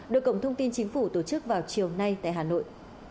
được cộng thông tin chính phủ tổ chức vào chiều nay tại hà nội